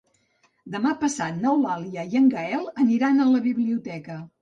Demà passat n'Eulàlia i en Gaël aniran a la biblioteca.